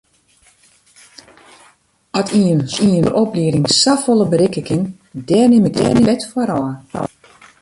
At ien sonder oplieding safolle berikke kin, dêr nim ik de pet foar ôf.